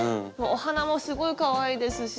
お花もすごいかわいいですし。